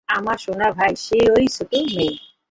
আমার সোনা ভাই, সে-ই ওই ছোট মেয়ে।